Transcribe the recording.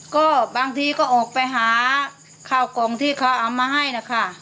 ก็บางทีก็ออกไปหาข้าวกล่องที่เขาเอามาให้นะคะ